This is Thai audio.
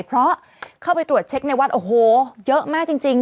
เพราะเข้าไปตรวจเช็คในวัดโอ้โหเยอะมากจริง